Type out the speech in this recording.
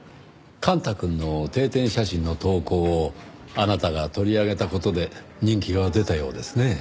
幹太くんの定点写真の投稿をあなたが取り上げた事で人気が出たようですねぇ。